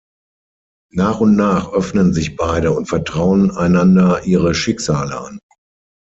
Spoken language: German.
Nach und nach öffnen sich beide und vertrauen einander ihre Schicksale an.